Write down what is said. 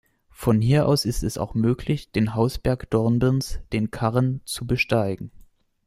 Von hier aus ist es auch möglich, den Hausberg Dornbirns, den Karren, zu besteigen.